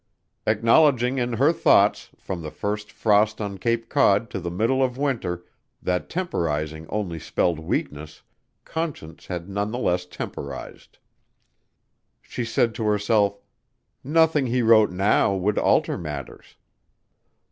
Acknowledging in her thoughts, from the first frost on Cape Cod to the middle of winter, that temporizing only spelled weakness, Conscience had none the less temporized. She said to herself: "Nothing he wrote now would alter matters."